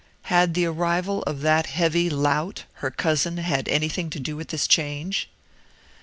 Had the arrival of that heavy lout, her cousin, anything to do with this change?